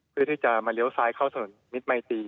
เพื่อที่จะมาเลี้ยวซ้ายเข้าถนนมิตรมัยตี